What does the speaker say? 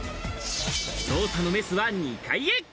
捜査のメスは２階へ。